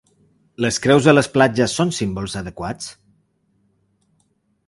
Les creus a les platges són símbols adequats?